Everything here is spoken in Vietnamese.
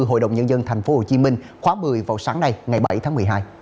hội đồng nhân dân tp hcm khóa một mươi vào sáng nay ngày bảy tháng một mươi hai